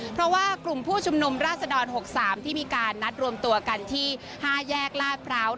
เพราะว่ากลุ่มผู้ชุมนุมราชดร๖๓ที่มีการนัดรวมตัวกันที่๕แยกลาดพร้าว